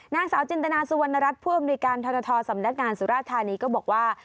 นางสาวจินตนาสุวรรณรัฐผู้อำนวยการทรทสำนักงานสุราธานีก็บอกว่า